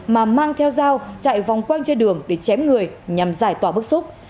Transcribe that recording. mà mang theo dao chạy vòng khoang trên đường để chém người nhằm giải tỏa bức xúc